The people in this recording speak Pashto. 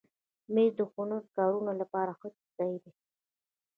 مېز د هنري کارونو لپاره ښه ځای دی.